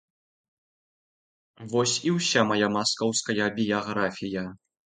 Вось і ўся мая маскоўская біяграфія.